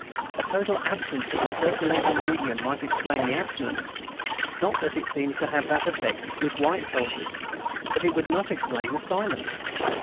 A total absence of the circulating medium might explain the abstinence, not that it seems to have that effect with white soldiers, but it would not explain the silence.